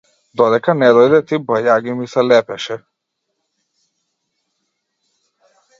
Додека не дојде ти, бајаги ми се лепеше.